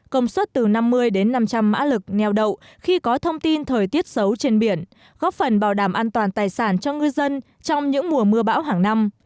công suất từ năm mươi đến năm trăm linh mã lực neo đậu khi có thông tin thời tiết xấu trên biển góp phần bảo đảm an toàn tài sản cho ngư dân trong những mùa mưa bão hàng năm